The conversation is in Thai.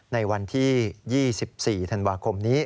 ในวันที่๒๔ธันวาคมนี้